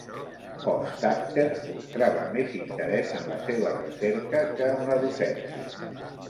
Hofstadter mostrava més interès en la seva recerca que en la docència.